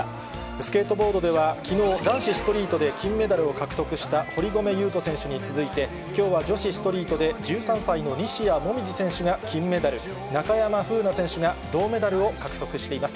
スケートボードでは、きのう男子ストリートで金メダルを獲得した堀米雄斗選手に続いて、きょうは女子ストリートで、１３歳の西矢椛選手が金メダル、中山楓奈選手が銅メダルを獲得しています。